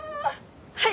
はい！